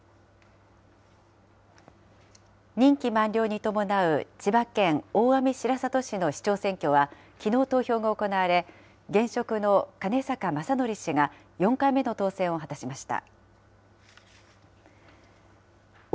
任期満了に伴う千葉県大網白里市の市長選挙は、きのう投票が行われ、現職の金坂昌典氏が４回目の当選を果たしました。